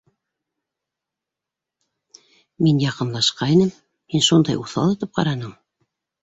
Мин яҡынлашҡайным, һин шундай уҫал итеп ҡараның!